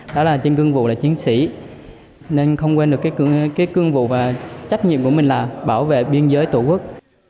đó là trên cương vụ là chiến sĩ nên không quên được cái cương vụ và trách nhiệm của mình là bảo vệ biên giới tổ quốc